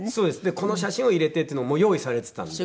この写真を入れてっていうのもう用意されてたんで。